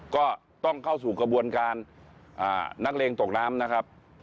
ก็ต้องเข้าสู่กระบวนการนักเลงตกน้ำนะครับ